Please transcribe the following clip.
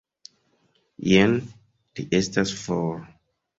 Jen, li estas for.